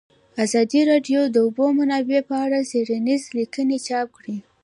ازادي راډیو د د اوبو منابع په اړه څېړنیزې لیکنې چاپ کړي.